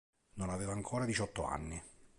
Non aveva ancora diciotto anni.